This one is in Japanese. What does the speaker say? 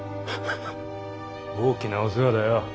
フフフ大きなお世話だよ。